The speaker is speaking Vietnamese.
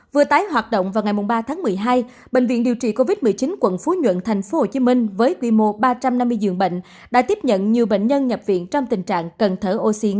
vừa tái hoạt động vào ngày ba tháng một mươi hai bệnh viện điều trị covid một mươi chín quận phú nhuận thành phố hồ chí minh với quy mô ba trăm năm mươi dường bệnh đã tiếp nhận nhiều bệnh nhân nhập viện trong tình trạng cần thở ổn